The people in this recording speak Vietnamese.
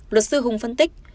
luật sư hùng phân tích